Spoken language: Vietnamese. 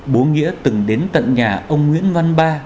bố nghĩa từng đến tận nhà ông nguyễn văn ba